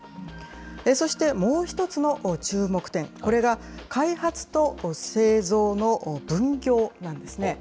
そしてもう一つの注目点、これが開発と製造の分業なんですね。